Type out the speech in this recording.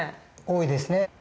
多いですね。